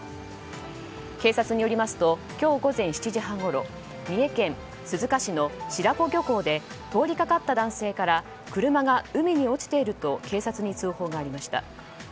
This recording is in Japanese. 警察によりますと今日午前７時半ごろ三重県鈴鹿市の白子漁港で通りかかった男性から車が海に落ちていると警察に通報がありました。